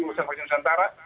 urusan vaksin di nusantara